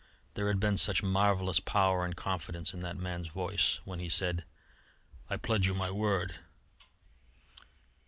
There had been such marvellous power and confidence in that man's voice when he said: "I pledge you my word."